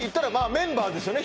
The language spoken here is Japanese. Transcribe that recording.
メンバーですよね